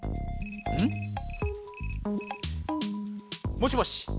もしもし。